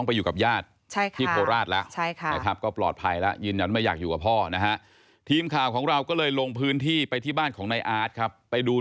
เพราะว่ามันเป็นคดีเรื่องของการพารุนกรรมเด็กแล้วก็เรื่องของฮุงคลองเด็กอยู่